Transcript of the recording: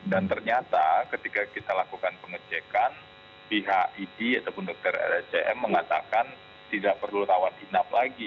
dan ternyata ketika kita lakukan pengecekan pihak ini ataupun dokter racm mengatakan tidak perlu tawar hidup lagi